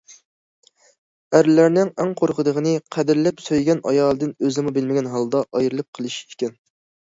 ئەرلەرنىڭ ئەڭ قورقىدىغىنى قەدىرلەپ سۆيگەن ئايالىدىن ئۆزىمۇ بىلمىگەن ھالدا ئايرىلىپ قېلىش ئىكەن.